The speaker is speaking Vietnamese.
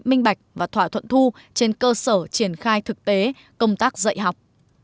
minh bạch và thỏa thuận thu trên cơ sở triển khai thực tế công tác dạy học